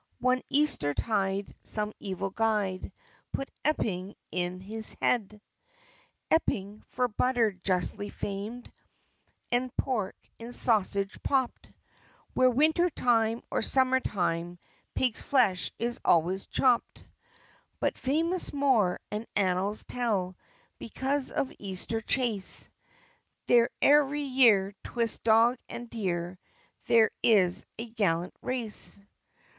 One Easter tide, some evil guide Put Epping in his head; Epping, for butter justly famed, And pork in sausage pop't; Where, winter time or summer time, Pig's flesh is always chop't. But famous more, as annals tell, Because of Easter Chase: There ev'ry year, 'twixt dog and deer, There is a gallant race.